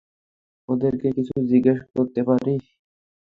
ওদেরকে কিছু জিজ্ঞেস করতে পারি?